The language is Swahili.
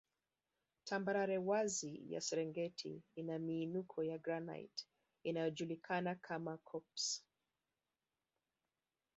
Tambarare wazi ya Serengeti ina miinuko ya granite inayojulikana kama koppes